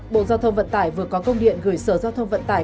bộ giao thông vận tải vừa có công điện gửi sở giao thông vận tải